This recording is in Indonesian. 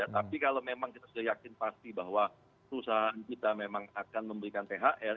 tapi kalau memang kita sudah yakin pasti bahwa perusahaan kita memang akan memberikan thr